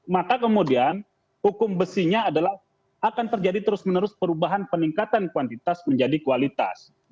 maka kemudian hukum besinya adalah akan terjadi terus menerus perubahan peningkatan kuantitas menjadi kualitas